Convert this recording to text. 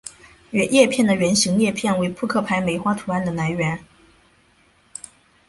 叶片的圆形裂片为扑克牌梅花图案的来源。